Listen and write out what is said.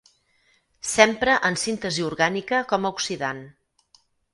S'empra en síntesi orgànica com a oxidant.